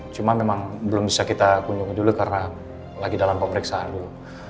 cuma memang belum bisa kita kunjungi dulu karena lagi dalam pemeriksaan dulu